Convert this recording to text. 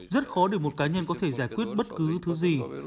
rất khó để một cá nhân có thể giải quyết bất cứ thứ gì